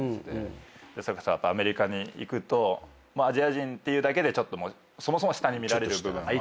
それこそアメリカに行くとアジア人っていうだけでそもそも下に見られる部分は。